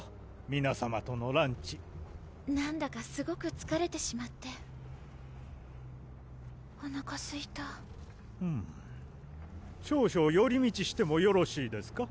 皆さまとのランチなんだかすごくつかれてしまっておなかすいた少々より道してもよろしいですか？